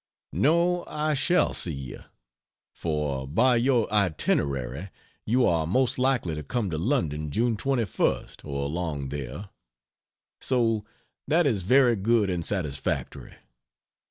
No, I shall see you; for by your itinerary you are most likely to come to London June 21st or along there. So that is very good and satisfactory.